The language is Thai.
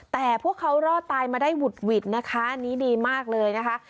แต่พวกเขารอดตายมาได้หุดหวิดนะคะอันนี้ดีมากเลยนะคะ